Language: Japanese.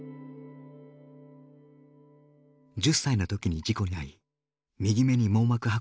１０歳の時に事故に遭い右目に網膜剥離を発症。